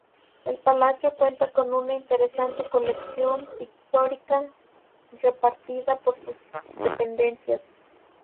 El palacio cuenta con una interesante colección pictórica repartida por sus dependencias.